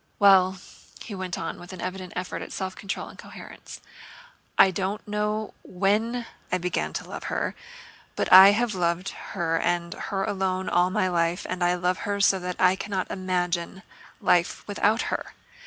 "Well," he went on with an evident effort at self control and coherence. "I don't know when I began to love her, but I have loved her and her alone all my life, and I love her so that I cannot imagine life without her.